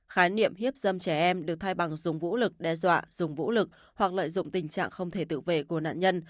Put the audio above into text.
khái niệm hiếp dâm trẻ em được thay bằng dùng vũ lực đe dọa dùng vũ lực hoặc lợi dụng tình trạng không thể tự vệ của nạn nhân